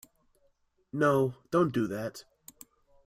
No, don't do that.